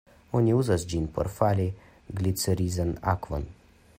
Oni uzas ĝin por fari glicirizan akvon.